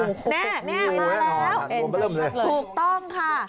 นี่มาแล้วถูกต้องค่ะ